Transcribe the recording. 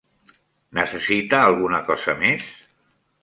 Necessita alguna cosa més?